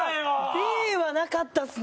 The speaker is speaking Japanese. Ｂはなかったですね